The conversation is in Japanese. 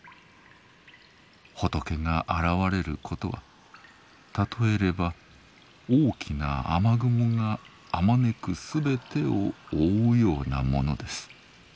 仏が現れることは譬えれば大きな雨雲があまねくすべてを覆うようなものです。